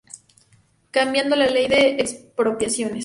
Cambiando la ley de expropiaciones.